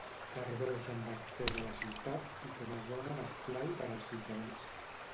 Serveixen d'accés a la ciutat i com a zona d'esplai per als ciutadans.